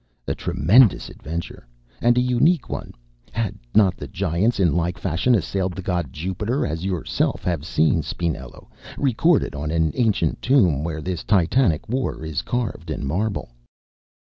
A tremendous adventure, and a unique one, had not the Giants in like fashion assailed the god Jupiter, as yourself have seen, Spinello, recorded on an ancient tomb where this Titanic war is carved in marble."